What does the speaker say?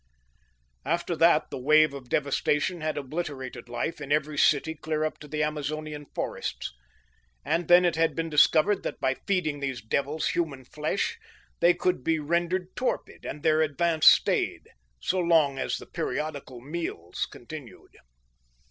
_ After that, the wave of devastation had obliterated life in every city clear up to the Amazonian forests. And then it had been discovered that, by feeding these devils human flesh, they could be rendered torpid and their advance stayed so long as the periodical meals continued!